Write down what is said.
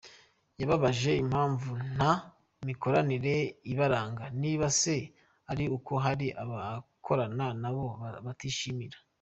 Yababajije impamvu nta mikoranire ibaranga, niba se ari uko hari abakorana n’abo batishimira.